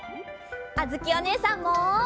あづきおねえさんも！